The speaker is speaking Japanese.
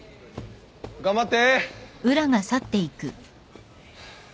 頑張って！